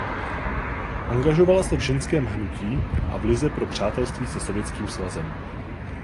Angažovala se v ženském hnutí a v lize pro přátelství se Sovětským svazem.